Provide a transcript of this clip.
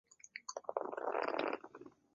奥卢是葡萄牙波尔图区的一个堂区。